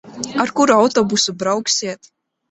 Ar kuru autobusu brauksiet?